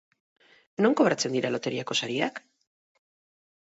Non kobratzen dira loteriako sariak?